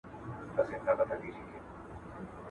په ګوزار یې د مرغه زړګی خبر کړ.